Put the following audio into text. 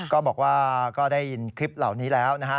ก็บอกว่าก็ได้ยินคลิปเหล่านี้แล้วนะฮะ